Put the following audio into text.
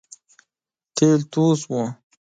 تېل توی شول